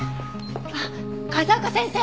あっ風丘先生！